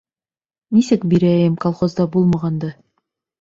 Нисек бирәйем, колхозда булмағанды.